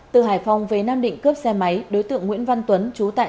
từ hải phòng về nam định cướp xe máy đối tượng nguyễn văn tuấn